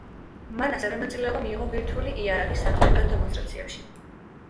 მან ასევე მონაწილეობა მიიღო ბირთვული იარაღის საწინააღმდეგო დემონსტრაციებში.